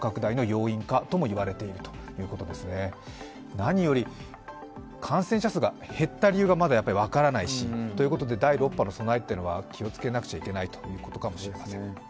何より、感染者数が減った理由がまだ分からないし第６波の備えは気をつけなければいけないところかもしれません。